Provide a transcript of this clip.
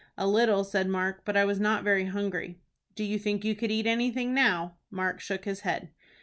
"A little," said Mark, "but I was not very hungry." "Do you think you could eat anything now?" Mark shook his head.